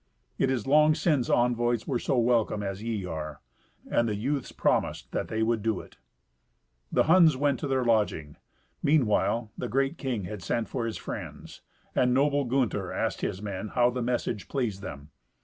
It is long since envoys were so welcome as ye are." And the youths promised that they would do it. The Huns went to their lodging. Meanwhile, the great king had sent for his friends, and noble Gunther asked his men how the message pleased them.